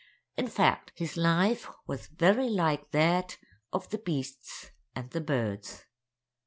In fact, his life was very like that of the beasts and the birds.